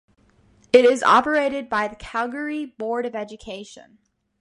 It is operated by the Calgary Board of Education.